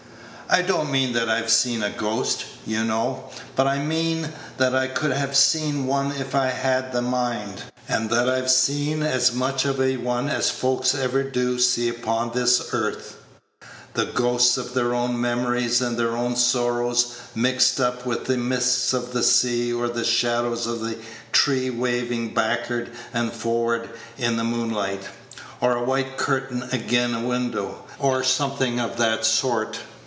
I don't mean that I've seen a ghost, you know, but I mean that I could have seen one if I'd had the mind, and that I've seen as much of a one as folks ever do see upon this earth the ghosts of their own memories and their own sorrows, mixed up with the mists of the sea or the shadows of the trees wavin' back'ard and for'ard in the moonlight, or a white curtain agen a window, or something of that sort.